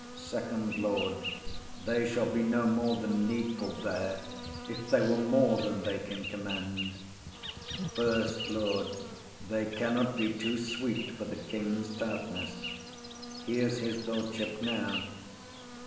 SECOND LORD. They shall be no more than needful there, if they were more than they can commend. Enter Bertram. FIRST LORD. They cannot be too sweet for the king's tartness. Here's his lordship now.